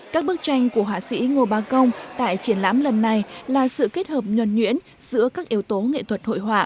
các bức tranh của họa sĩ ngô bá công tại triển lãm lần này là sự kết hợp nhuẩn nhuyễn giữa các yếu tố nghệ thuật hội họa